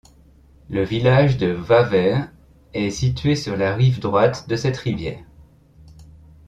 Le village de Waver est situé sur la rive droite de cette rivière.